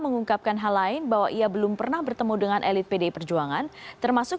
mengungkapkan hal lain bahwa ia belum pernah bertemu dengan elit pdi perjuangan termasuk